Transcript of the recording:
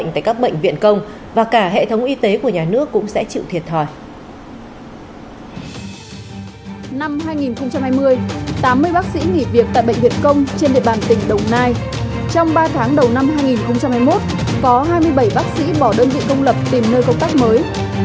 trong ba tháng đầu năm hai nghìn hai mươi một có hai mươi bảy bác sĩ bỏ đơn vị công lập tìm nơi công tác mới